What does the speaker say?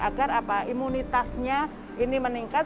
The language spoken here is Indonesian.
agar imunitasnya ini meningkat